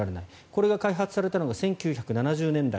これが開発されたのは１９７０年代。